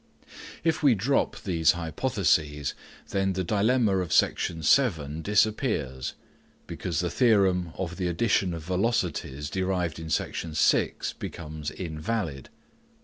If we drop these hypotheses, then the dilemma of Section 7 disappears, because the theorem of the addition of velocities derived in Section 6 becomes invalid.